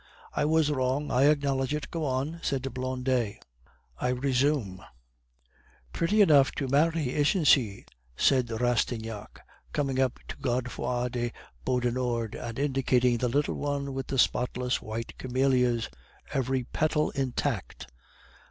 "I was wrong, I acknowledge it. Go on," said Blondet. "I resume. 'Pretty enough to marry, isn't she?' said Rastignac, coming up to Godefroid de Beaudenord, and indicating the little one with the spotless white camellias, every petal intact.